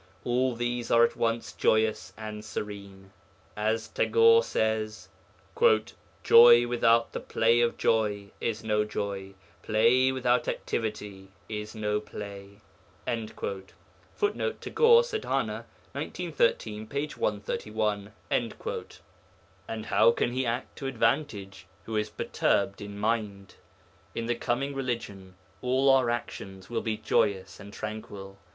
All these are at once joyous and serene. As Tagore says, 'Joy without the play of joy is no joy; play without activity is no play.' [Footnote: Tagore, Sadhana (1913), p. 131.] And how can he act to advantage who is perturbed in mind? In the coming religion all our actions will be joyous and tranquil.